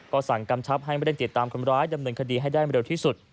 ก็สั่งกำชับให้ไม่ได้ติดตามคนร้ายดำเนินคดีให้ได้เร็วที่สุด